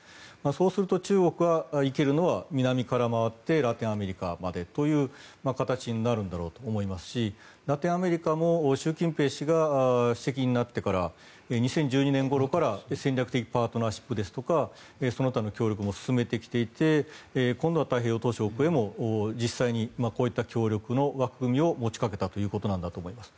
そうすると中国が行けるのは南から回ってラテンアメリカまでという形になるんだと思いますしラテンアメリカも習近平氏が主席になってから２０１２年ごろから戦略的パートナーシップですとかその他の協力も進めてきていて今度は太平洋島しょ国にも実際にこういった協力の枠組みを持ちかけたということなんだと思います。